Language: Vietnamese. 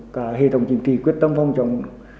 cả hệ thống chính trị quyết tâm phòng chống